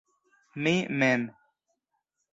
Mi mem.